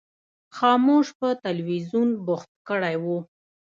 خاموش په تلویزیون بوخت کړی و.